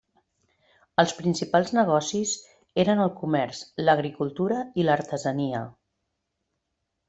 Els principals negocis eren el comerç, l'agricultura i l'artesania.